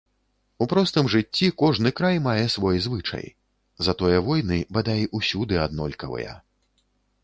У простым жыцці кожны край мае свой звычай, затое войны, бадай, усюды аднолькавыя.